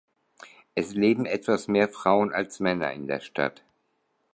Es leben etwas mehr Frauen als Männer in der Stadt.